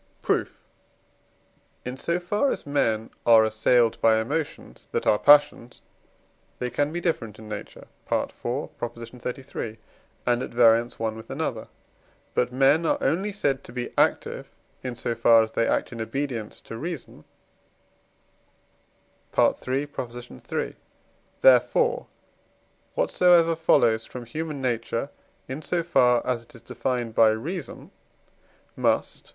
Proof. In so far as men are assailed by emotions that are passions, they can be different in nature (IV. xxxiii.), and at variance one with another. But men are only said to be active, in so far as they act in obedience to reason (III. iii.); therefore, what so ever follows from human nature in so far as it is defined by reason must (III.